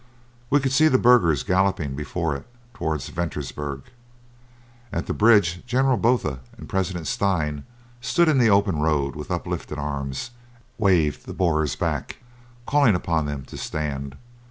We could see the burghers galloping before it toward Ventersburg. At the bridge General Botha and President Steyn stood in the open road and with uplifted arms waved the Boers back, calling upon them to stand.